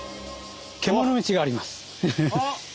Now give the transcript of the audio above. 獣道があります。